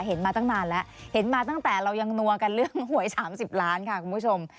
มาตั้งนานแล้วเห็นมาตั้งแต่เรายังนัวกันเรื่องหวย๓๐ล้านค่ะคุณผู้ชม